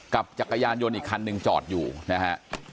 จักรยานยนต์อีกคันหนึ่งจอดอยู่นะฮะ